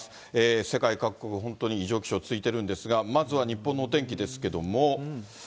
世界各国、本当に異常気象、続いているんですが、まずは日本のお天気ですけれども。